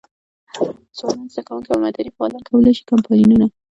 ځوانان، زده کوونکي او مدني فعالان کولای شي کمپاینونه.